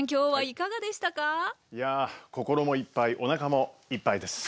いや心もいっぱいおなかもいっぱいです。